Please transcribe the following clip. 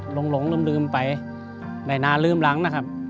หลงลืมไปในนาลืมหลังนะครับ